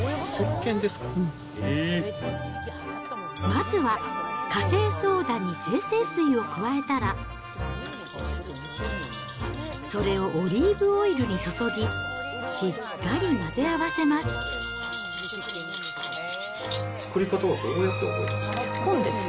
まずはカセイソーダに精製水を加えたら、それをオリーブオイルに注ぎ、しっかり混ぜ合わせます。